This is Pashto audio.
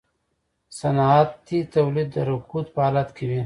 صنعتي تولید د رکود په حالت کې وي